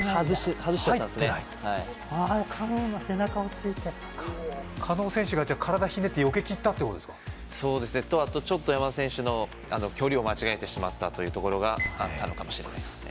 入ってない加納の背中を突いてるのか加納選手が体ひねってよけきったってことですかそうですねとちょっと山田選手の距離を間違えてしまったというところがあったのかもしれないですね